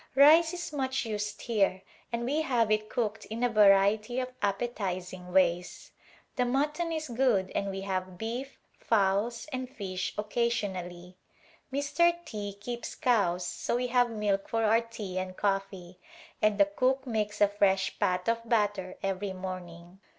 Rice is much used here and we have it cooked in a variety of appetizing ways. The mut ton is good and we have beef, fowls, and fish occa sionally. Mr. T keeps cows so we have milk for our tea and coffee, and the cook makes a fresh pat of butter every morning.